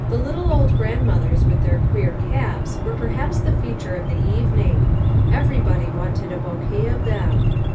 little old grandmothers with their queer caps were perhaps the feature of the even ing. Everybody wanted a bouquet of them.